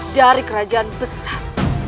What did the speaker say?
dari kerajaan besar